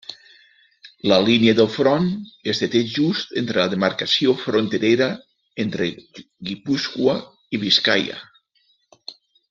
La línia del front es deté just entre la demarcació fronterera entre Guipúscoa i Biscaia.